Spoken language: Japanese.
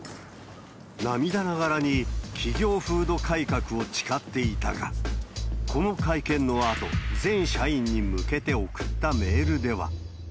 涙ながらに、企業風土改革を誓っていたが、この会見のあと、全社員に向けて送ったメールでは。